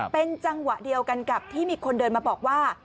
เป็นจังหวะเดียวกันกับที่มีคนเดินมาบอกว่า